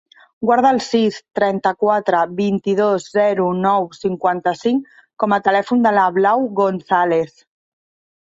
Guarda el sis, trenta-quatre, vint-i-dos, zero, nou, cinquanta-cinc com a telèfon de la Blau Gonzales.